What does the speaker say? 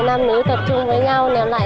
nam nữ tập trung với nhau ném lại